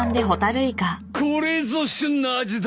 これぞ旬な味だ。